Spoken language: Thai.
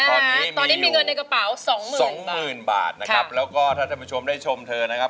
ตอนนี้มีอยู่สองหมื่นบาทครับแล้วก็ถ้าท่านผู้ชมได้ชมเธอนะครับ